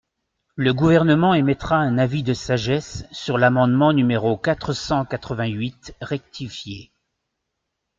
Le Gouvernement émettra un avis de sagesse sur l’amendement numéro quatre cent quatre-vingt-huit rectifié.